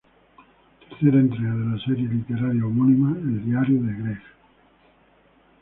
Tercera entrega de la serie literaria homónima "El diario de Greg".